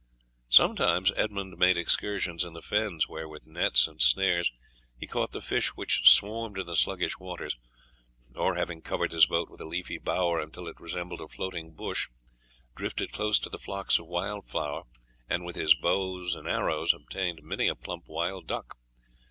Sometimes Edmund made excursions in the fens, where with nets and snares he caught the fish which swarmed in the sluggish waters; or, having covered his boat with a leafy bower until it resembled a floating bush, drifted close to the flocks of wild fowl, and with his bow and arrows obtained many a plump wild duck.